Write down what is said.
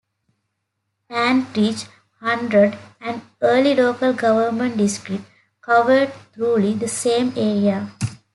Tandridge hundred, an early local government district, covered roughly the same area.